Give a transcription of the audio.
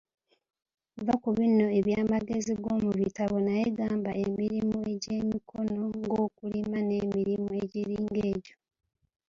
Vva ku bino eby'amagezi ag'omu bitabo naye ngamba emirimu egy'emikono ng'okulima n'emirimu egiringa egyo.